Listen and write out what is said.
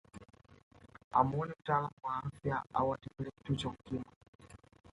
Amuone mtaalamu wa afya au atembelee kituo cha Ukimwi